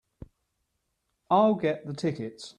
I'll get the tickets.